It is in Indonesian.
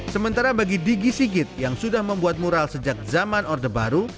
sementara bagi digi sigit yang sudah membuat mural sejak zaman orde baru